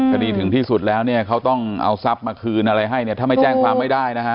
คดีถึงที่สุดแล้วเนี่ยเขาต้องเอาทรัพย์มาคืนอะไรให้เนี่ยถ้าไม่แจ้งความไม่ได้นะฮะ